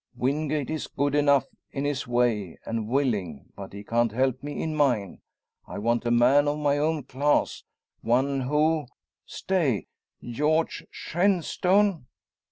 Wingate is good enough in his way, and willing, but he can't help me in mine. I want a man of my own class; one who stay! George Shenstone?